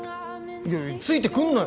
いやついてくんなよ。